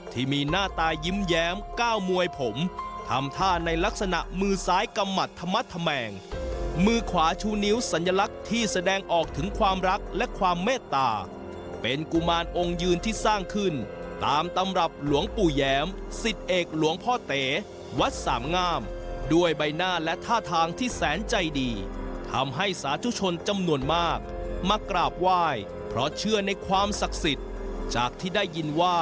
ที่มีหน้าตายิ้มแย้มก้าวมวยผมทำท่าในลักษณะมือซ้ายกำหมัดธรรมธแมงมือขวาชูนิ้วสัญลักษณ์ที่แสดงออกถึงความรักและความเมตตาเป็นกุมารองค์ยืนที่สร้างขึ้นตามตำรับหลวงปู่แย้มสิทธิเอกหลวงพ่อเต๋วัดสามงามด้วยใบหน้าและท่าทางที่แสนใจดีทำให้สาธุชนจำนวนมากมากราบไหว้เพราะเชื่อในความศักดิ์สิทธิ์จากที่ได้ยินว่า